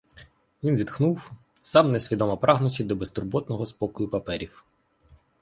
Він зітхнув, сам несвідомо прагнучи до безтурботного спокою паперів.